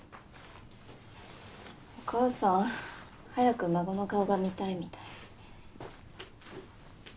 お義母さん早く孫の顔が見たいみたい。